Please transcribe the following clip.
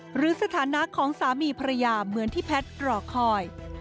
หรือสถานะของสามีภรรยาเหมือนที่แพทย์รอคอย